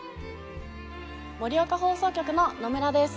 盛岡放送局の野村です。